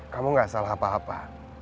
kamu gak salah apa apa